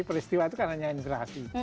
peristiwa itu kan hanya imigrasi